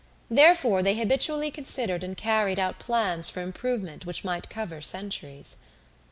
Therefore, they habitually considered and carried out plans for improvement which might cover centuries.